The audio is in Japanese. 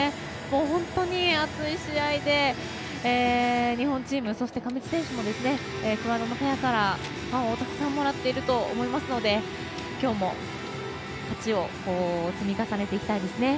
本当に熱い試合で日本チーム、そして上地選手もクアードのペアからパワーをたくさんもらっていると思いますので今日も勝ちを積み重ねていきたいですね。